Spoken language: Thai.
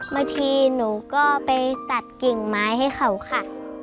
บางทีหนูก็ไปตัดกิ่งไม้ให้เขาค่ะ